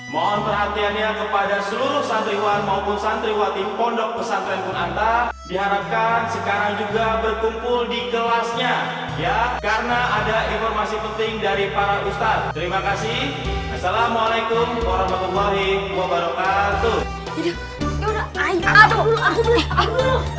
mohon perhatiannya kepada seluruh santriwan maupun santriwati pondok pesantren pun anta diharapkan sekarang juga berkumpul di gelasnya ya karena ada informasi penting dari para ustadz terima kasih assalamualaikum warahmatullahi wabarakatuh